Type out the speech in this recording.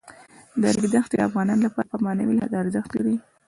د ریګ دښتې د افغانانو لپاره په معنوي لحاظ ارزښت لري.